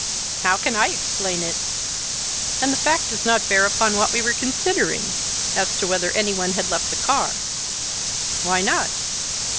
How can I explain it? And the fact does not bear upon what we were considering, as to whether any one had left the car." "Why not?"